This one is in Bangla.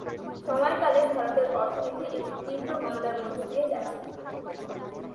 সময়কালে ভারতের অর্থনীতি একটি তীব্র মন্দার মধ্য দিয়ে যাচ্ছিল।